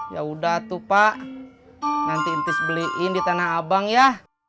yaudah atuh pak nanti tis beliin di tanah abang ya